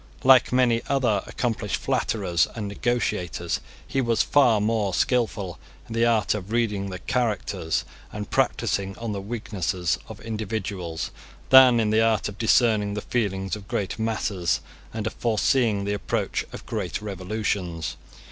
Like many other accomplished flatterers and negotiators, he was far more skilful in the art of reading the characters and practising on the weaknesses of individuals, than in the art of discerning the feelings of great masses, and of foreseeing the approach of great revolutions.